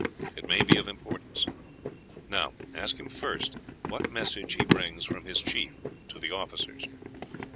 It may be of importance. Now ask him first what message he brings from his chief to the officers."